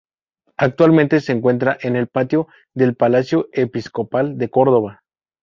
Actualmente se encuentra en el patio del Palacio Episcopal de Córdoba.